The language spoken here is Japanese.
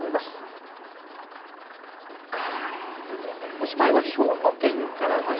おしまいは兵庫県からです。